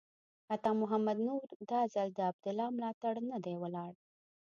عطا محمد نور هم دا ځل د عبدالله ملاتړ ته نه دی ولاړ.